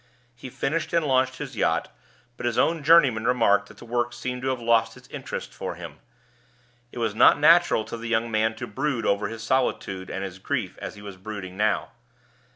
He finished and launched his yacht; but his own journeymen remarked that the work seemed to have lost its interest for him. It was not natural to the young man to brood over his solitude and his grief as he was brooding now.